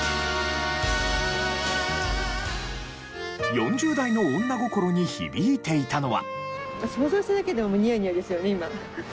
４０代の女心に響いていたのは。